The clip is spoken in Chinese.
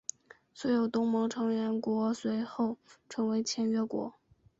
所有东盟成员国随后成为签约国。